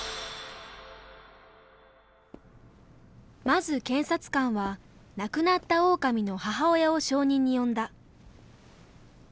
まず検察官は亡くなったオオカミの母親を証人に呼んだ。